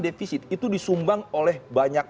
defisit itu disumbang oleh banyak